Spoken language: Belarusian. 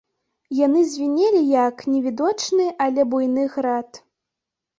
Яны звінелі, як невідочны, але буйны град.